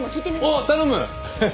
おっ頼む！